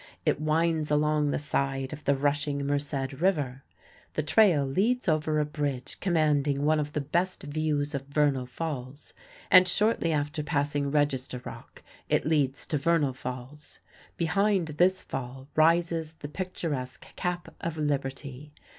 It winds along the side of the rushing Merced River. The trail leads over a bridge commanding one of the best views of Vernal Falls, and shortly after passing Register Rock, it leads to Vernal Falls. Behind this fall rises the picturesque Cap of Liberty.